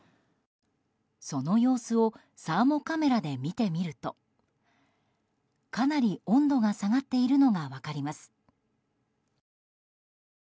その様子をサーモカメラで見てみるとかなり温度が下がっているのが分かります。